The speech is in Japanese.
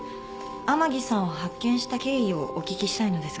甘木さんを発見した経緯をお聞きしたいのですが。